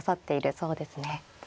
そうですね。